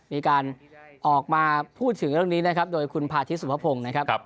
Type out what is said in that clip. มีการออกมาพูดถึงเรื่องนี้นะครับโดยคุณพาธิสุภพงศ์นะครับ